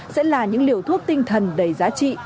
sẽ là những liều thuốc tinh thần đầy giá trị